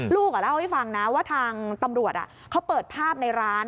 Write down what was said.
ลูกเล่าให้ฟังนะว่าทางตำรวจเขาเปิดภาพในร้าน